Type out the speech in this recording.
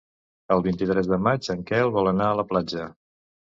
El vint-i-tres de maig en Quel vol anar a la platja.